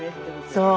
そう。